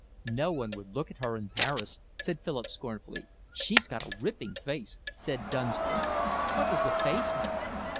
"No one would look at her in Paris," said Philip scornfully. "She's got a ripping face," said Dunsford. "What DOES the face matter?"